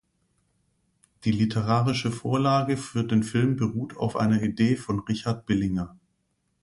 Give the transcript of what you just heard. Die literarische Vorlage für den Film beruht auf einer Idee von Richard Billinger.